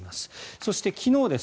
そして、昨日です。